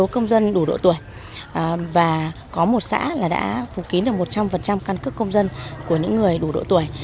công dân đủ độ tuổi và có một xã là đã phủ kín được một trăm linh căn cước công dân của những người đủ độ tuổi